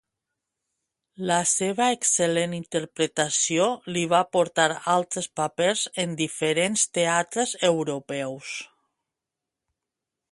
La seva excel·lent interpretació li va portar altres papers en diferents teatres europeus.